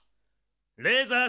レーザー